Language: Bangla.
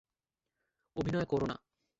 অভিনয় করো না।